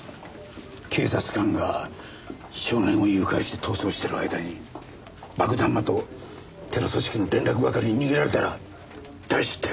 警察官が少年を誘拐して逃走している間に爆弾魔とテロ組織の連絡係に逃げられたら大失態だ！